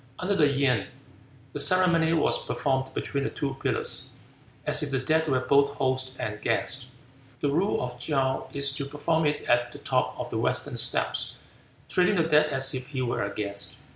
Under the Yin, the ceremony was performed between the two pillars, as if the dead were both host and guest. The rule of Chow is to perform it at the top of the western steps, treating the dead as if he were a guest.